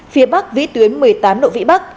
phía bắc vĩ tuyến một mươi tám độ vĩ bắc